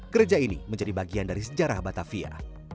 gereja ini menjadi bagian dari sejarah batavia